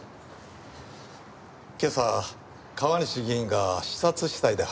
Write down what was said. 今朝川西議員が刺殺死体で発見されました。